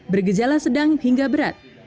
bergejala sedang hingga berat